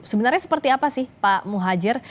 sebenarnya seperti apa sih pak muhajir